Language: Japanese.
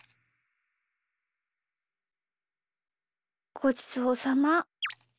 ごちそうさま。